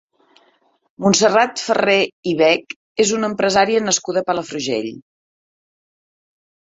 Montserrat Ferrer i Bech és una empresària nascuda a Palafrugell.